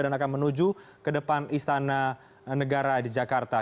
akan menuju ke depan istana negara di jakarta